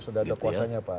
sudah ada kuasanya pak